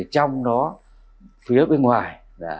trong đó phía bên ngoài